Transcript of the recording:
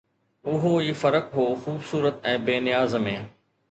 اهو ئي فرق هو خوبصورت ۽ بي نياز ۾